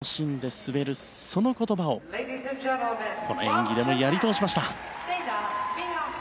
楽しんで滑る、その言葉をこの演技でもやり通しました。